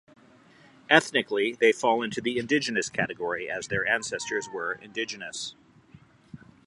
Ethnically, they fall into the indigenous category, as their ancestors were indigenous.